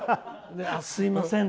すみません。